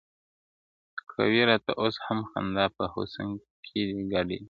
كوې راته اوس هم خندا په حسن كي دي گډ يـــــــم.